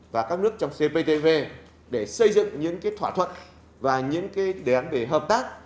và các nước trong cptv để xây dựng những thỏa thuận và những đề án về hợp tác